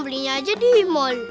belinya aja di mall